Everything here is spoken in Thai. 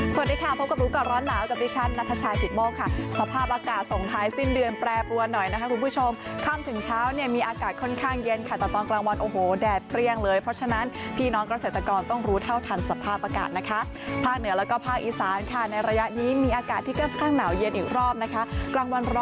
สวัสดีค่ะพบกับรู้ก่อนร้อนหนาวกับดิฉันนัทชายกิตโมกค่ะสภาพอากาศส่งท้ายสิ้นเดือนแปรปรวนหน่อยนะคะคุณผู้ชมค่ำถึงเช้าเนี่ยมีอากาศค่อนข้างเย็นค่ะแต่ตอนกลางวันโอ้โหแดดเปรี้ยงเลยเพราะฉะนั้นพี่น้องเกษตรกรต้องรู้เท่าทันสภาพอากาศนะคะภาคเหนือแล้วก็ภาคอีสานค่ะในระยะนี้มีอากาศที่ค่อนข้างหนาวเย็นอีกรอบนะคะ